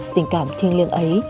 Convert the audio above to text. tình cảm thiên liêng ấy